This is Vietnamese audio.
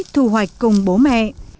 du hoạch cùng bố mẹ